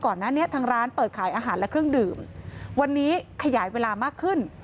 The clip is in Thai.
ก่อนหน้านี้ทางร้านเปิดขายอาหารและเครื่องดื่มวันนี้ขยายเวลามากขึ้น